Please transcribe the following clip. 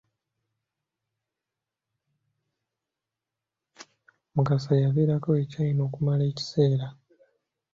Mukasa yabeerako e China okumala ekiseera.